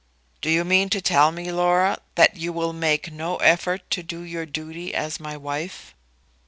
"Do you mean to tell me, Laura, that you will make no effort to do your duty as my wife?"